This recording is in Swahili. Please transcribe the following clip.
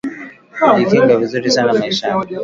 Kuji kinga ni vizuri sana maishani